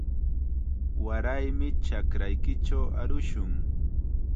Waraymi chakraykichaw arushun.